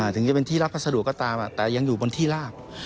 ถึงจะเป็นที่รับพัสดุก็ตามแต่ยังอยู่บนที่ลาบ